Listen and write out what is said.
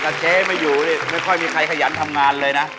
ถ้าเจ๊มาอยู่นี่ไม่ค่อยมีใครขยันทำงานเลยนะ